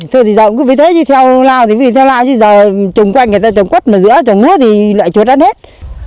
thôi thì rộng với thế thì theo nào thì theo nào chứ giờ trồng quanh người ta trồng quất mà giữa trồng nước thì lại chuột ăn hết